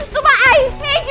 sumpah i say